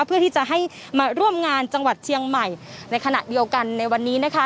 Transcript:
เพื่อที่จะให้มาร่วมงานจังหวัดเชียงใหม่ในขณะเดียวกันในวันนี้นะคะ